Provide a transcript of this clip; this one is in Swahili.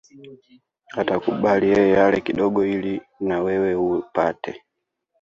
Atakubali yeye ale kidogo ili na wewe upate